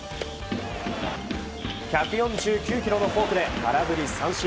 １４９キロのフォークで空振り三振。